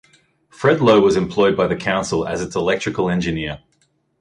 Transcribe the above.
Fred Lowe was employed by the council as its electrical engineer.